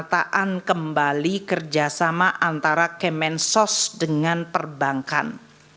pemetaan kembali kerjasama antara kemensos dengan perbankan